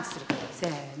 せの！